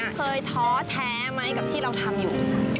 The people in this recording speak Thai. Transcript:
เคยท้อแท้ไหมกับที่เราทำอยู่